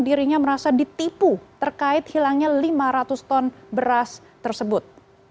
dirinya merasa ditipu terkait hilangnya lima ratus ton beras tersebut